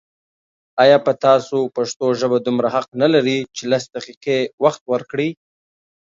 آيا په تاسو پښتو ژبه دومره حق نه لري چې لس دقيقې وخت ورکړئ